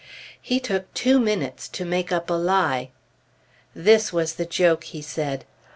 He took two minutes to make up a lie. This was the joke, he said.